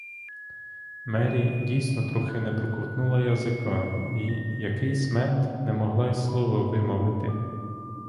Мері дійсно трохи не проковтнула язика і якийсь мент не могла й слова вимовити.